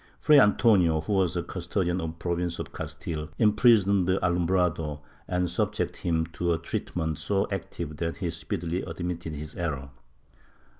Fray Antonio, who was custodian of the Province of Cas tile, imprisoned the alumbrado and subjected him to treatment so active that he speedily admitted his error.